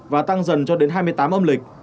và tăng dần cho đến hai mươi tám âm lịch